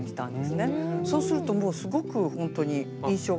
そうするともうすごくほんとに印象が変わりませんか？